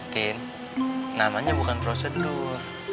tin namanya bukan prosedur